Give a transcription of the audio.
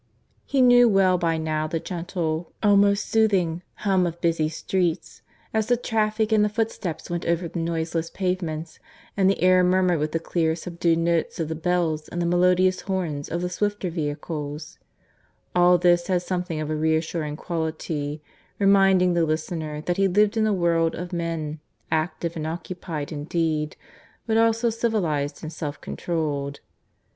He knew well by now the gentle, almost soothing, hum of busy streets, as the traffic and the footsteps went over the noiseless pavements, and the air murmured with the clear subdued notes of the bells and the melodious horns of the swifter vehicles; all this had something of a reassuring quality, reminding the listener that he lived in a world of men, active and occupied indeed, but also civilized and self controlled.